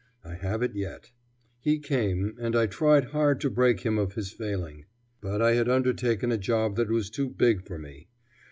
I have it yet. He came, and I tried hard to break him of his failing. But I had undertaken a job that was too big for me.